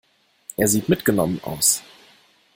Er sieht mitgenommen aus.